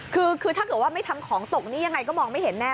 คือถ้าเกิดว่าไม่ทำของตกนี่ยังไงก็มองไม่เห็นแน่